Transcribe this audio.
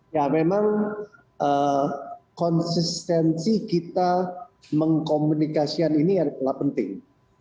ya memang konsistensi kita mengkomunikasikan ini adalah penting